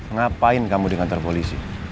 ngapain kamu di kantor polisi